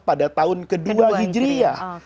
pada tahun kedua hijriyah